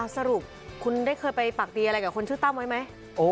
สรุปคุณได้เคยไปปากดีอะไรกับคนชื่อตั้มไว้ไหม